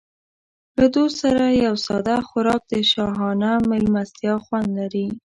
له دوست سره یو ساده خوراک د شاهانه مېلمستیا خوند لري.